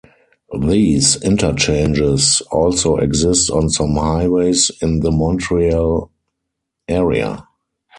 These interchanges also exist on some highways in the Montreal area.